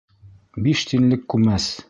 Биш тинлек күмәс